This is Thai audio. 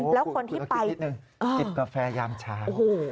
แล้วคนที่ไปโอ้โฮคุณก็คิดนิดหนึ่งกินกาแฟยามชาว